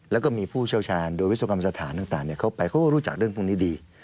แล้วก็มีผู้เชี่ยวชาญโดยวิศวกรรมสถานต่างเข้าไปเขาก็รู้จักเรื่องพวกนี้ดี